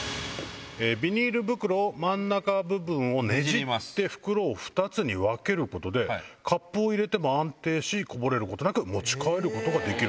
ビニール袋の真ん中部分をねじって袋を２つに分けることでカップを入れても安定しこぼれることなく持ち帰れる。